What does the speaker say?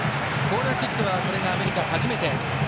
コーナーキックはこれがアメリカ、初めて。